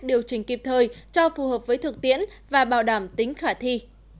điều chỉnh kịp thời cho phù hợp với thực tiễn và bảo đảm tính khả thi